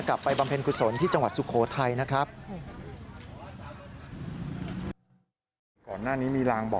บำเพ็ญกุศลที่จังหวัดสุโขทัยนะครับ